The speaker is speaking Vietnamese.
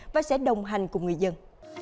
và sẽ đồng hành cùng người dân